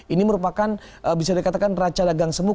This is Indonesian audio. ini merupakan bisa dikatakan raca dagang semut